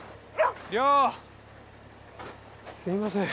すみません。